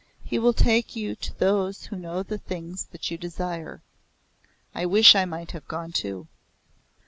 He will take you to those who know the things that you desire. I wish I might have gone too."